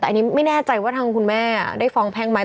แต่อันนี้ไม่แน่ใจว่าทางคุณแม่ได้ฟ้องแพ่งไหม